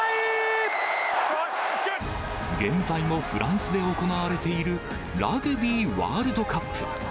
現在もフランスで行われている、ラグビーワールドカップ。